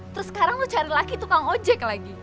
terus sekarang lo cari tukang ojek lagi